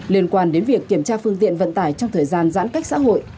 liên quan đến việc kiểm tra phương tiện vận tải trong thời gian giãn cách xã hội